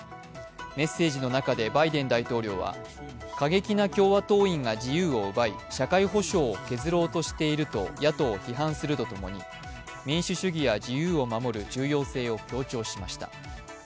メッセージの中でバイデン大統領は過激な共和党員が自由を奪い社会保障を削ろうとしていると野党を批判するとともに民主主義や自由を守る重要性を強調しました。